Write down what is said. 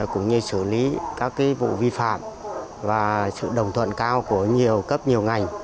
cũng như xử lý các vụ vi phạm và sự đồng thuận cao của nhiều cấp nhiều ngành